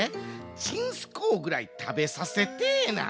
ちんすこうぐらいたべさせてえな。